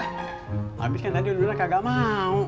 habiskan tadi dulu lah kagak mau